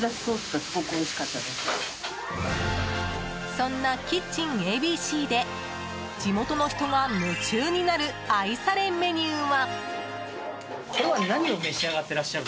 そんなキッチンＡＢＣで地元の人が夢中になる愛されメニューは。